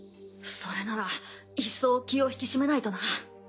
それなら一層気を引き締めないとな。